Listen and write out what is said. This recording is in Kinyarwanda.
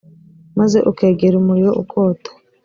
maze ukegera umuriro ukota